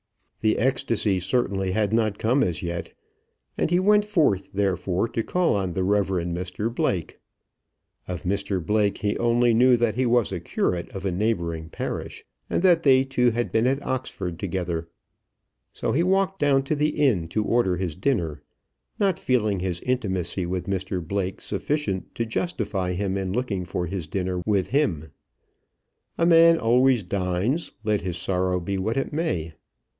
The ecstasy certainly had not come as yet, and he went forth therefore to call on the Reverend Mr Blake. Of Mr Blake he only knew that he was a curate of a neighbouring parish, and that they two had been at Oxford together. So he walked down to the inn to order his dinner, not feeling his intimacy with Mr Blake sufficient to justify him in looking for his dinner with him. A man always dines, let his sorrow be what it may.